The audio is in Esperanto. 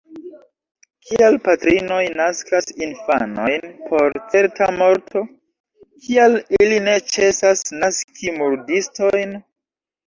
Kial patrinoj naskas infanojn por certa morto? Kial ili ne ĉesas naski murdistojn?